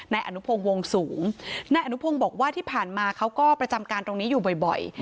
นายอนุพงศ์วงสูงนายอนุพงศ์บอกว่าที่ผ่านมาเขาก็ประจำการตรงนี้อยู่บ่อย